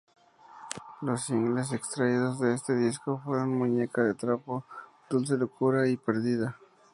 Los singles extraídos de este disco fueron "Muñeca de trapo", "Dulce locura" y "Perdida".